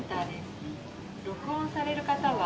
録音される方は１。